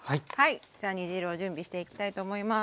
じゃあ煮汁を準備していきたいと思います。